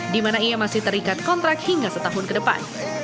di mana ia masih terikat kontrak hingga setahun ke depan